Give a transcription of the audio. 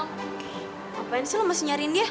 ngapain sih lo masih nyari dia